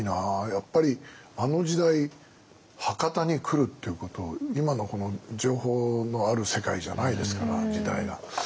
やっぱりあの時代博多に来るっていうことを今の情報のある世界じゃないですから時代が。